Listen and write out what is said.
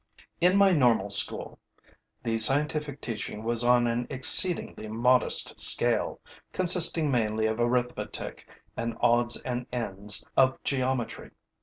In my normal school, the scientific teaching was on an exceedingly modest scale, consisting mainly of arithmetic and odds and ends of geometry.